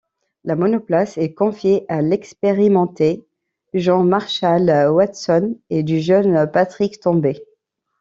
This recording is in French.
La monoplace est confiée à l'expérimenté John Marshall Watson et du jeune Patrick Tambay.